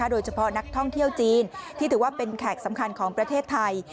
โดยเฉพาะนักท่องเที่ยวจีนที่ถือว่าเป็นแขกสำคัญของประเทศไทย